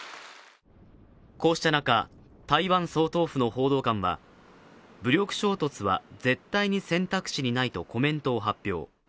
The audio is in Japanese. こうした中、台湾総統府の報道官は武力衝突は絶対に選択肢にないとコメントを発表。